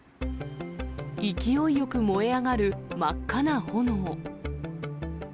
勢いよく燃え上がる真っ赤な炎。